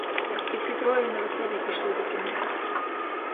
І всі троє невеселі пішли до кіно.